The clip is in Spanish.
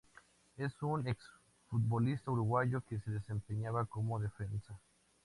Es un ex-futbolista uruguayo que se desempeñaba como defensa.